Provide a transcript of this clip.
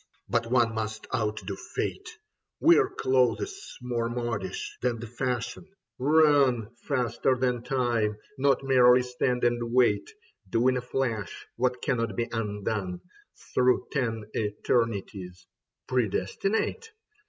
But one must outdo fate. Wear clothes more modish than the fashion, run Soles Occidere et Redire Possunt 73 Faster than time, not merely stand and wait ; Do in a flash what cannot be undone Through ten eternities. Predestinate